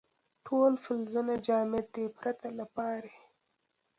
ټول فلزونه جامد دي پرته له پارې.